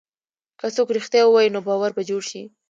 که څوک رښتیا ووایي، نو باور به جوړ شي.